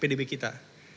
pak saya sekalian